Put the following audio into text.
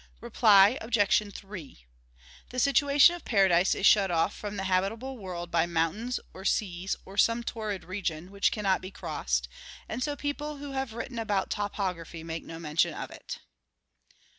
Reply Obj. 3: The situation of paradise is shut off from the habitable world by mountains, or seas, or some torrid region, which cannot be crossed; and so people who have written about topography make no mention of it.